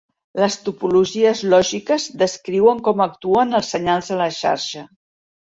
Les topologies lògiques descriuen com actuen els senyals a la xarxa.